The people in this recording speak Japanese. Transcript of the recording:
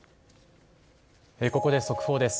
ここで速報です。